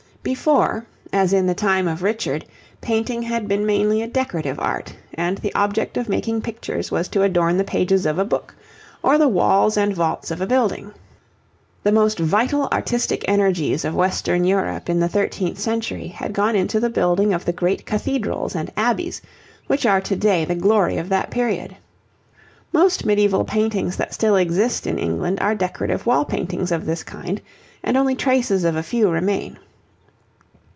Before, as in the time of Richard, painting had been mainly a decorative art, and the object of making pictures was to adorn the pages of a book, or the walls and vaults of a building. The most vital artistic energies of Western Europe in the thirteenth century had gone into the building of the great cathedrals and abbeys, which are to day the glory of that period. Most medieval paintings that still exist in England are decorative wall paintings of this kind, and only traces of a few remain.